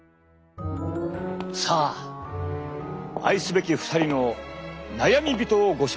さあ愛すべき２人の悩み人をご紹介しよう。